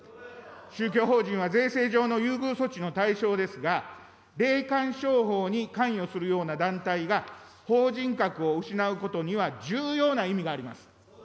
宗教法人は税制上の優遇措置の対象ですが、霊感商法に関与するような団体が法人格を失うことには重要な意味があります。